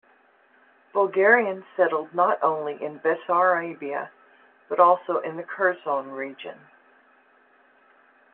Bulgarians settled not only in Bessarabia, but also in the Kherson region.